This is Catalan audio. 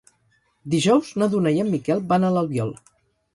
Dijous na Duna i en Miquel van a l'Albiol.